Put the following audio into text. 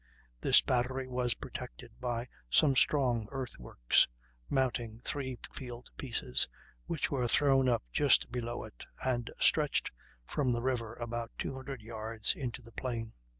This battery was protected by some strong earthworks, mounting three field pieces, which were thrown up just below it, and stretched from the river about 200 yards into the plain.